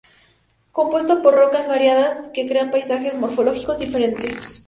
Compuesto por rocas variadas, que crean paisajes morfológicos diferentes.